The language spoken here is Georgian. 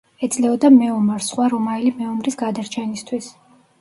ეძლეოდა მეომარს სხვა რომაელი მეომრის გადარჩენისთვის.